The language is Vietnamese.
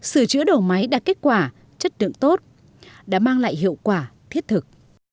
sửa chữa đầu máy đạt kết quả chất lượng tốt đã mang lại hiệu quả thiết thực